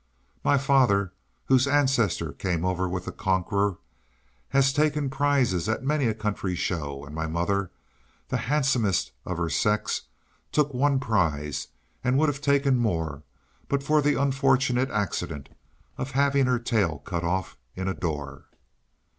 My father, whose ancestor came over with the Conqueror, has taken prizes at many a county show; and my mother, the handsomest of her sex, took one prize, and would have taken more, but for the unfortunate accident of having her tail cut off in a door.